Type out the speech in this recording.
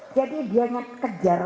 jadi dianya kejar